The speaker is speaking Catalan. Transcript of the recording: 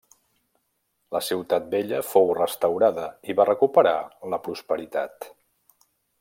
La ciutat vella fou restaurada i va recuperar la prosperitat.